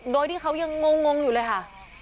โดยที่เขายังงงอยู่เลยค่ะ